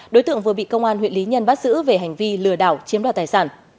đối tượng vừa bị công an huyện lý nhân bắt giữ về hành vi lừa đảo chiếm đoạt tài sản